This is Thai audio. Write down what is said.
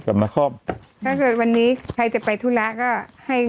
นะพี่โน้ตกับอ๋อนักคล่อมถ้าเกิดวันนี้ใครจะไปทุระก็ให้